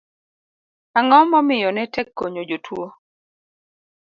ang'o momiyo ne tek konyo jotuwo?